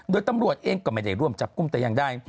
โดยตำรวจเองก็ไม่ได้ร่วมจับกลุ่มแต่อย่างใด